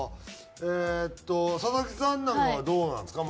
えーっと佐々木さんなんかはどうなんですか？